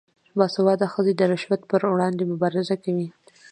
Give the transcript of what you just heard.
باسواده ښځې د رشوت پر وړاندې مبارزه کوي.